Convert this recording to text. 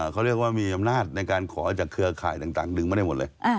เขาเรียกว่ามีอำนาจในการขอจากเครือข่ายต่างดึงไม่ได้หมดเลย